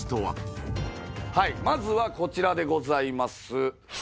はいまずはこちらでざいます